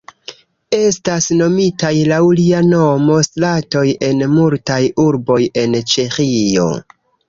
Estas nomitaj laŭ lia nomo stratoj en multaj urboj en Ĉeĥio.